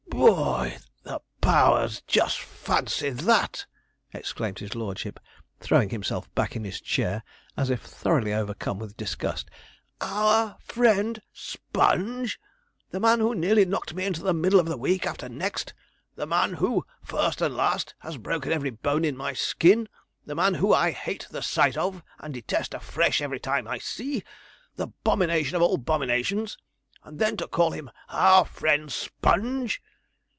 Bo o y the powers, just fancy that! 'exclaimed his lordship, throwing himself back in his chair, as if thoroughly overcome with disgust. 'Our friend Sponge! the man who nearly knocked me into the middle of the week after next the man who, first and last, has broken every bone in my skin the man who I hate the sight of, and detest afresh every time I see the 'bomination of all 'bominations; and then to call him our friend Sponge!